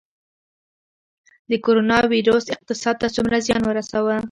د کرونا ویروس اقتصاد ته څومره زیان ورساوه؟